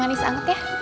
manis banget ya